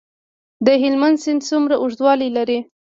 د هلمند سیند څومره اوږدوالی لري؟